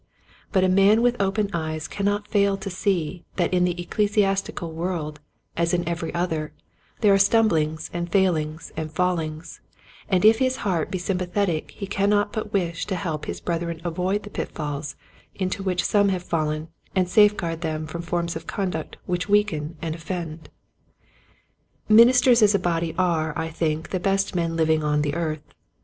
But a man with open eyes cannot fail to see that in the ecclesiastical world, as in every other, there are stumblings and failings and fallings, and if his heart be sym pathetic he cannot but wish to help his brethren avoid the pitfalls into which some have fallen and safeguard them from forms of conduct which weaken and offend. Ministers as a body are I think the best men living on the earth.